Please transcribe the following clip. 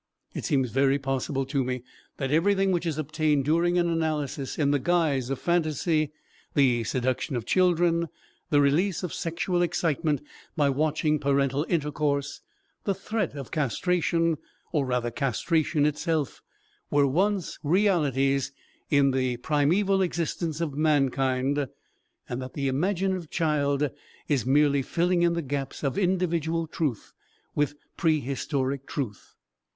It seems very possible to me that everything which is obtained during an analysis in the guise of phantasy, the seduction of children, the release of sexual excitement by watching parental intercourse, the threat of castration or rather castration itself were once realities in the primeval existence of mankind and that the imaginative child is merely filling in the gaps of individual truth with prehistoric truth.